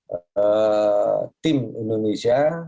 ee tim indonesia